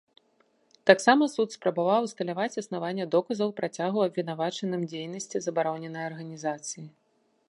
Таксама суд спрабаваў усталяваць існаванне доказаў працягу абвінавачаным дзейнасці забароненай арганізацыі.